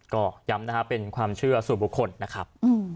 ก็ย้ำนะครับเป็นความเชื่อสู่บุคคลนะครับ